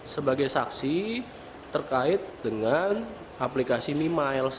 sebagai saksi terkait dengan aplikasi mimiles